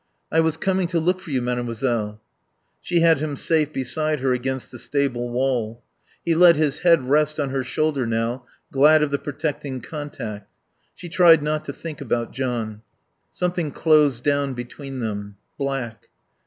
"I was coming to look for you, Mademoiselle." She had him safe beside her against the stable wall. He let his head rest on her shoulder now, glad of the protecting contact. She tried not to think about John. Something closed down between them. Black.